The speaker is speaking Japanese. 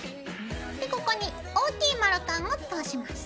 でここに大きい丸カンを通します。